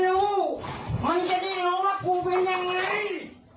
อื้องงงมันจะได้รู้ว่ากูเป็นยังไง